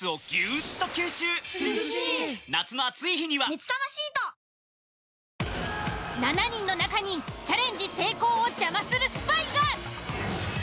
みんな７人の中にチャレンジ成功を邪魔するスパイが！